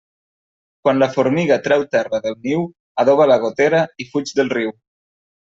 Quan la formiga treu terra del niu, adoba la gotera i fuig del riu.